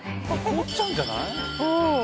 凍っちゃうんじゃない？